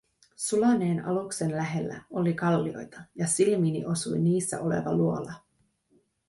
Sulaneen aluksen lähellä oli kallioita, ja silmiini osui niissä oleva luola.